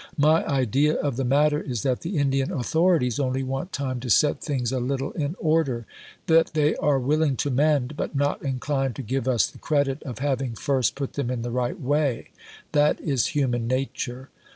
My idea of the matter is that the Indian authorities only want time to set things a little in order that they are willing to mend, but not inclined to give us the credit of having first put them in the right way. That is human nature."